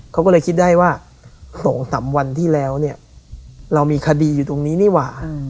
เขาก็เลยคิดได้ว่า๒๓วันที่แล้วเนี่ยเรามีคดีอยู่ตรงนี้นี่หว่า